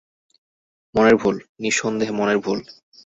মনের ভুল, নিঃসন্দেহে মনের ভুল।